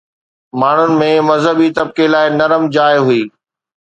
ماڻهن ۾ مذهبي طبقي لاءِ نرم جاءِ هئي